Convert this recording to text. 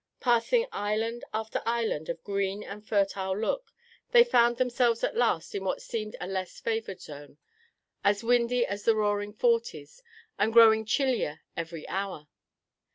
Passing island after island of green and fertile look, they found themselves at last in what seemed a less favored zone as windy as the "roaring forties," and growing chillier every hour.